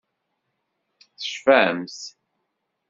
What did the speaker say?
Tecfamt?